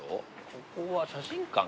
ここは写真館かな？